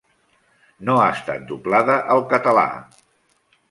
No ha estat doblada al català.